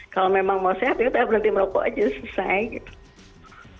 kalau memang mau sehat yaudah berhenti merokok aja selesai gitu